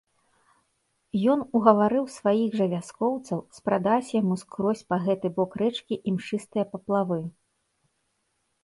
Ён угаварыў сваіх жа вяскоўцаў спрадаць яму скрозь па гэты бок рэчкі імшыстыя паплавы.